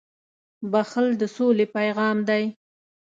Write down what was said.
• بښل د سولې پیغام دی.